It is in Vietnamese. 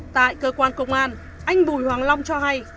tại cơ quan công an anh bùi hoàng long cho hay